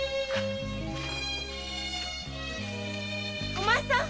お前さん！